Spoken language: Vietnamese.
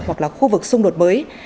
hoặc là khu vực xung đột mới